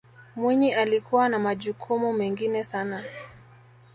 mwinyi alikuwa na majukumu mengine sana